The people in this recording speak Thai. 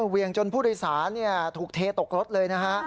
เวียงจนผู้โดยสารถูกเทตกรถเลยนะฮะ